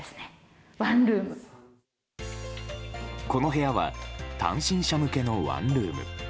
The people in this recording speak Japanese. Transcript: この部屋は単身者向けのワンルーム。